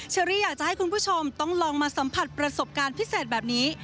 เชอรี่อยากจะให้คุณผู้ชมต้องลองมาสัมผัสประสบการณ์พิเศษแบบนี้